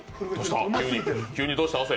急にどうした亜生？